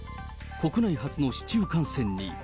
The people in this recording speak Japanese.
国内初の市中感染に。